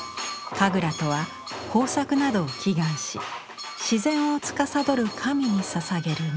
神楽とは豊作などを祈願し自然をつかさどる神にささげる舞。